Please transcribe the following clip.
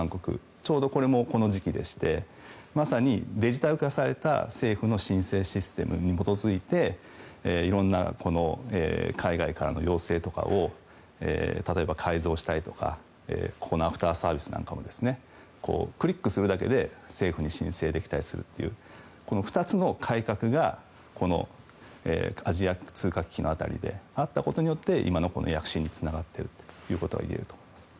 ちょうど、これもこの時期でしてまさにデジタル化された政府の申請システムに基づいていろんな海外からの要請とかを例えばこのアフターサービスなんかもクリックするだけで政府に申請できたりするという２つの改革がアジア通貨危機の辺りであったことによって今の躍進につながっているということが言えると思います。